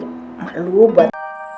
emak lo buat